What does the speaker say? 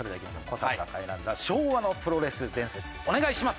古坂さんが選んだ昭和のプロレス伝説お願いします。